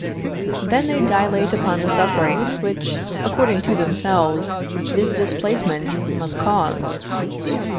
Then they dilate upon the sufferings which, according to themselves, this displacement must cause.